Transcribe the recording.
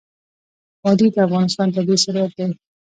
وادي د افغانستان طبعي ثروت دی.